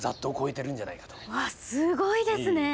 うわっすごいですね！